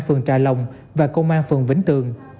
phường trà lòng và công an phường vĩnh tường